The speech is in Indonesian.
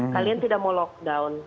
kalian tidak mau lockdown